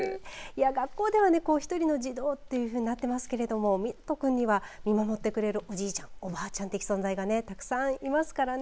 学校では１人の児童というふうになっていますけど海那人君には見守ってくれるおじいちゃんおばあちゃん的存在がたくさんいますからね。